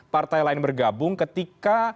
partai lain bergabung ketika